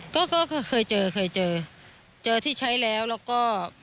ก็คือเคยเจอเคยเจอเจอที่ใช้แล้วแล้วก็